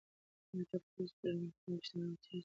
ایا ته پوهېږې چې په لندن کې څومره پښتانه اوسیږي؟